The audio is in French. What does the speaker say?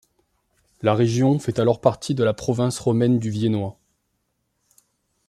La région fait alors partie de la province romaine du Viennois.